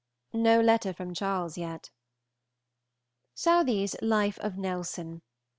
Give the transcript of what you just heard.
No letter from Charles yet. Southey's "Life of Nelson."